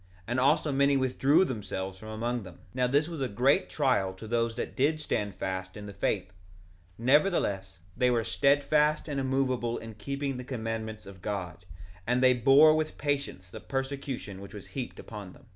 And also many withdrew themselves from among them. 1:25 Now this was a great trial to those that did stand fast in the faith; nevertheless, they were steadfast and immovable in keeping the commandments of God, and they bore with patience the persecution which was heaped upon them.